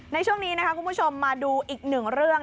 ในช่วงนี้นะคะคุณผู้ชมมาดูอีกหนึ่งเรื่อง